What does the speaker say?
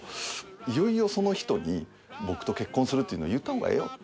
いよいよその人に僕と結婚するっていうのを言ったほうがええよと。